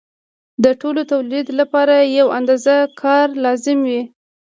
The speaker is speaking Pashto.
د ټولو د تولید لپاره یوه اندازه کار لازم وي